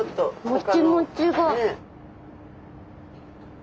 もちもちが。